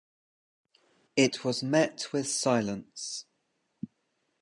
It was met with silence.